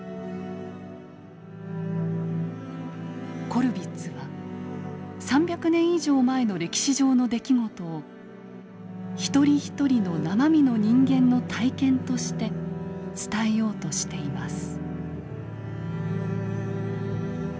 コルヴィッツは３００年以上前の歴史上の出来事を一人一人の生身の人間の体験として伝えようとしています。